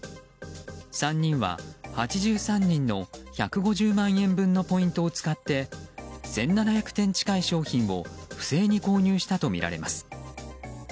３人は８３人の１５０万円分のポイントを使って１７００点近い商品を不正に購入したとみられます。